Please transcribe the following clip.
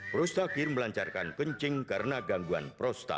prostakir melancarkan kencing karena gangguan prostat